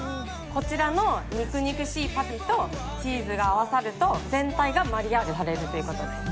こちらの肉肉しいパティとチーズが合わさると全体がマリアージュされるという事です。